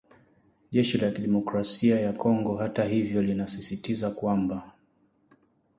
Jeshi la Demokrasia ya Kongo hata hivyo linasisitiza kwamba